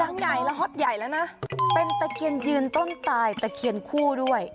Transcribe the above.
ใหญ่แล้วฮอตใหญ่แล้วนะเป็นตะเคียนยืนต้นตายตะเคียนคู่ด้วย